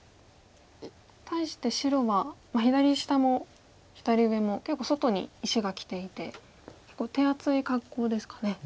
対して白は左下も左上も結構外に石がきていて結構手厚い格好ですかね。